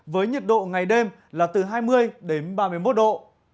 với nhiệt độ ngày đêm là từ hai mươi đến ba mươi một độ